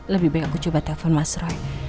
lebih baik aku coba telepon mas roy